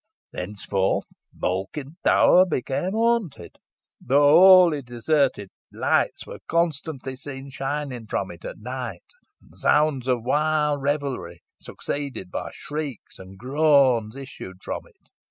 "Thenceforth, Malkin Tower became haunted. Though wholly deserted, lights were constantly seen shining from it at night, and sounds of wild revelry, succeeded by shrieks and groans, issued from it.